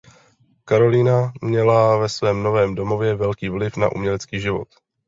Karolina měla ve svém novém domově velký vliv na umělecký život.